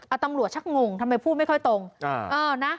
ตำรวจชักงงทำไมพูดไม่ค่อยตรงเออนะ